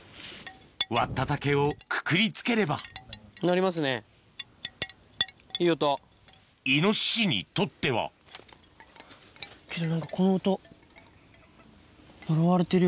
割った竹をくくりつければイノシシにとってはけど。